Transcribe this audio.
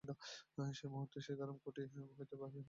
সেই মুহূর্তে সীতারাম কুটীর হইতে বাহির হইয়া গেল।